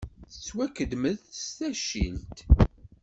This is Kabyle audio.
Yettwakedmet s taccilt.